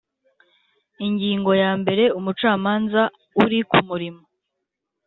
Ingingo yambere Umucamanza uri ku murimo